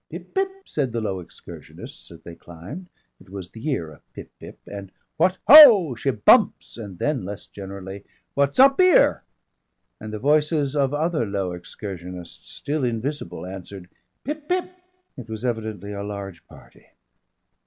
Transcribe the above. "Pip, Pip," said the Low Excursionists as they climbed it was the year of "pip, pip" and, "What HO she bumps!" and then less generally, "What's up 'ere?" And the voices of other Low Excursionists still invisible answered, "Pip, Pip." It was evidently a large party.